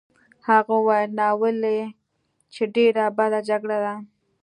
هغه وویل: ناولې! چې ډېره بده جګړه ده.